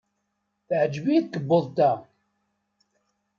Teɛjeb-iyi tkebbuḍt-a.